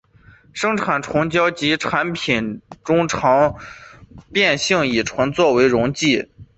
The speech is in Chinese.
生产虫胶及其产品中常用变性乙醇作为溶剂。